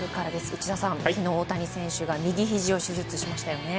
内田さん、昨日、大谷選手が右ひじを手術しましたよね。